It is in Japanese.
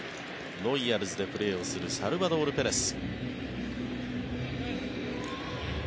ロイヤルズでプレーするサルバドール・ペレス。